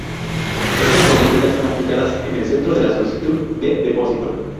Estas políticas son aplicadas en el centro de la solicitud de depósito.